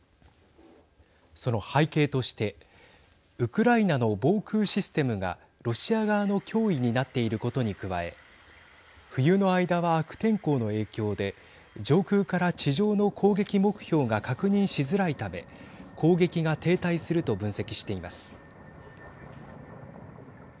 その背景としてウクライナの防空システムがロシア側の脅威になっていることに加え冬の間は悪天候の影響で上空から地上の攻撃目標が確認しづらいため攻撃が停滞すると分析しています。